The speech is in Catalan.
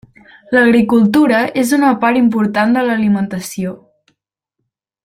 L’agricultura és una part important de l’alimentació.